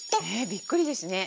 びっくりですね。